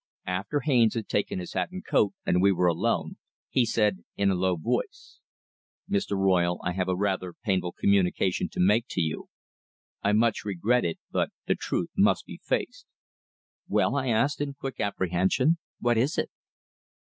After Haines had taken his hat and coat and we were alone, he said in a low voice: "Mr. Royle, I have a rather painful communication to make to you. I much regret it but the truth must be faced." "Well?" I asked, in quick apprehension; "what is it?"